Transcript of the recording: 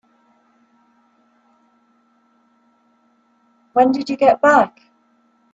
When did you get back?